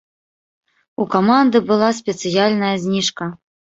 У каманды была спецыяльная зніжка.